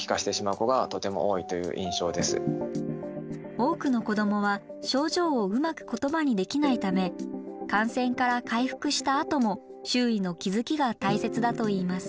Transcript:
多くの子どもは症状をうまく言葉にできないため感染から回復したあとも周囲の気づきが大切だといいます。